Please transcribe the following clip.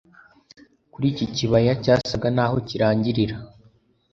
kuri iki kibaya cyasaga naho kirangirira